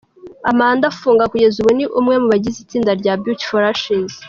Amanda Fung kugeza ubu ni umwe mu bagize itsinda rya Beauty for Ashes.